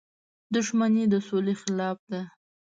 • دښمني د سولې خلاف ده.